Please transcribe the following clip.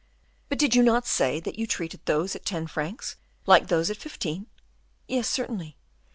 "But did you not say that you treated those at ten francs like those at fifteen?" "Yes, certainly."